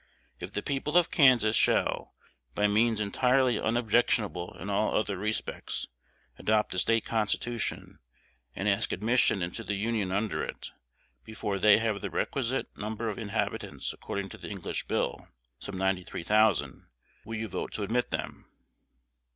If the people of Kansas shall, by means entirely unobjectionable in all other respects, adopt a State constitution, and ask admission into the Union under it, before they have the requisite number of inhabitants according to the English Bill, some ninety three thousand, will you vote to admit them?